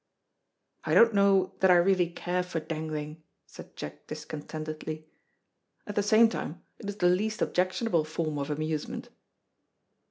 "I don't know that I really care for dangling," said Jack discontentedly. "At the same time it is the least objectionable form of amusement."